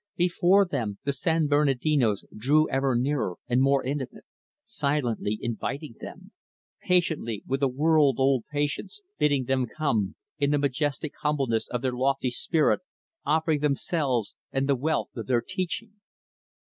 Before them, the San Bernardinos drew ever nearer and more intimate silently inviting them; patiently, with a world old patience, bidding them come; in the majestic humbleness of their lofty spirit, offering themselves and the wealth of their teaching.